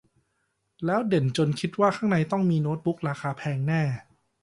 แล้วเด่นจนคนคิดว่าข้างในต้องมีโน๊ตบุ๊กราคาแพงแน่